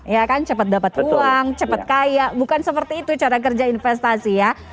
ya kan cepat dapat uang cepat kaya bukan seperti itu cara kerja investasi ya